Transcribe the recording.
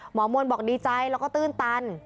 หมอมวลบอกดีใจแล้วก็ตื้นตัน